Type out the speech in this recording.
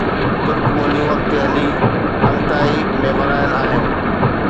ترڪ ٻوليون اڳتي هلي Altai ۾ ورهايل آهن